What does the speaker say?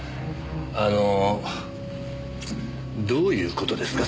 あのどういう事ですか？